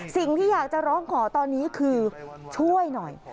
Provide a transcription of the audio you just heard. สิ่งที่อยากจะร้องขอตอนนี้คือช่วยหน่อย